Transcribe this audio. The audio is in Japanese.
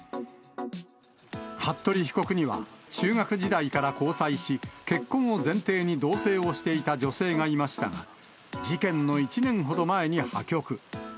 服部被告には中学時代から交際し、結婚を前提に同せいをしていた女性がいましたが、事件の１年ほど前に破局。